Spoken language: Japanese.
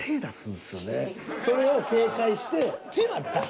それを警戒して。